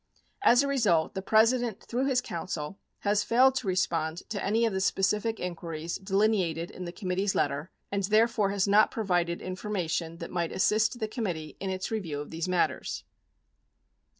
42 As a result, the President through his counsel has failed to respond to any of the specific inquiries delineated in the committee's letter and, therefore, has not provided information that might assist the commit tee in its review of these matters.